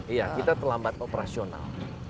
iya kita terlambat operasional